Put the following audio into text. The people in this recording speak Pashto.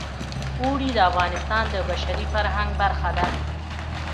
اوړي د افغانستان د بشري فرهنګ برخه ده.